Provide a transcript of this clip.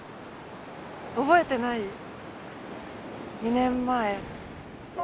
覚えてない？２年前。